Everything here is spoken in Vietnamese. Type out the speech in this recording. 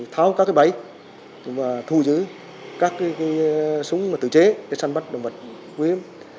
tháo các bẫy và thu giữ các súng tự chế để săn bắt đồng vật quý hiếm